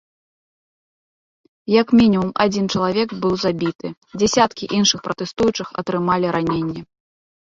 Як мінімум адзін чалавек быў забіты, дзясяткі іншых пратэстуючых атрымалі раненні.